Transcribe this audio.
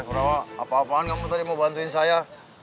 kenapa apa apaan kamu tadi mau bantuin saya